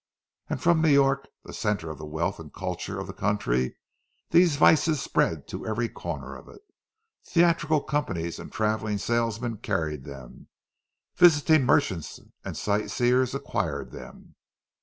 And from New York, the centre of the wealth and culture of the country, these vices spread to every corner of it. Theatrical companies and travelling salesmen carried them; visiting merchants and sightseers acquired them.